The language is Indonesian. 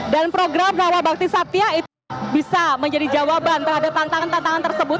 dan program nawa bakti satya itu bisa menjadi jawaban terhadap tantangan tantangan tersebut